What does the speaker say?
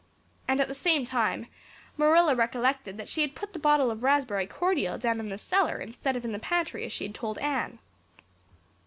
And at the same time Marilla recollected that she had put the bottle of raspberry cordial down in the cellar instead of in the pantry as she had told Anne.